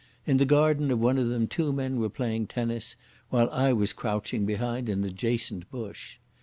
In the garden of one of them two men were playing tennis, while I was crouching behind an adjacent bush.